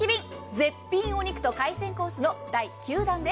絶品お肉と海鮮コースの第９弾です。